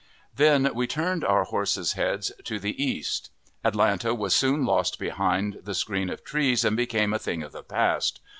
Then we turned our horses' heads to the east; Atlanta was soon lost behind the screen of trees, and became a thing of the past.